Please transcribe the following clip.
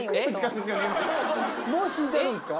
もう敷いてあるんですか。